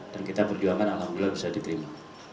dan kita berjuangkan alhamdulillah bisa diterima